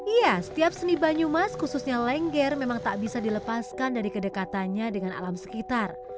iya setiap seni banyumas khususnya lengger memang tak bisa dilepaskan dari kedekatannya dengan alam sekitar